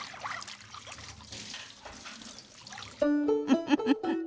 ウフフフ。